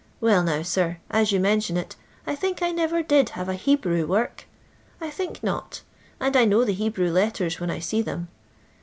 Well now, sir, as yon mention it, I think I never did have a Hebrew work ; I think not, and I know the Hebrew letters when I see them.